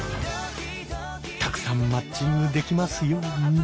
「たくさんマッチングできますように」。